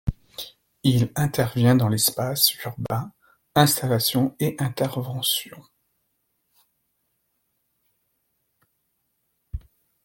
Il intervient dans l’espace urbain, installations et interventions.